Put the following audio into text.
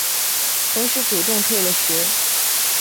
同时主动退了学。